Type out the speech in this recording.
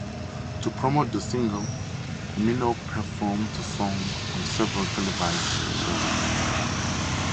To promote the single, Minogue performed the song on several televised shows.